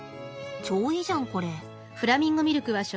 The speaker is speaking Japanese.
超いいじゃんこれ。